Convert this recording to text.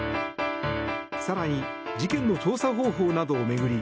更に事件の調査方法などを巡り